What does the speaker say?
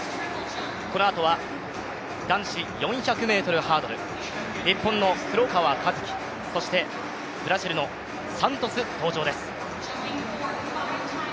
このあとは男子４００ｍハードル、日本の黒川和樹、そしてブラジルのサントス登場です。